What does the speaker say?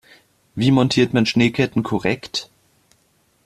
Wie montiert man Schneeketten korrekt?